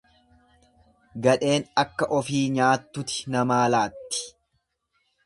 Gadheen akka ofii nyaattuti namaa laatti.